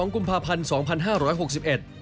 ๒๒กุมภาพันธ์๒๕๖๑